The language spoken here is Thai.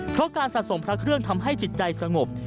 เพราะการสะสมพระเครื่องทำให้จิตใจสงบ